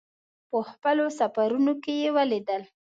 په خپلو سفرونو کې یې ولیدل.